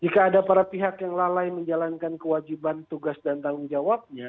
jika ada para pihak yang lalai menjalankan kewajiban tugas dan tanggung jawabnya